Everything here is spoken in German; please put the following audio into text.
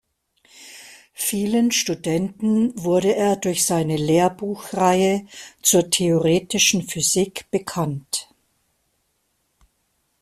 Vielen Studenten wurde er durch seine Lehrbuchreihe zur Theoretischen Physik bekannt.